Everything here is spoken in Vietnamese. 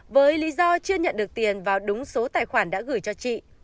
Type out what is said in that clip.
với lý do chưa nhận được tiền vào đúng số tài khoản đã gửi cho chị